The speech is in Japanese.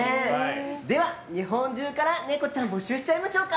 では、日本中からネコちゃん募集しちゃいましょうか。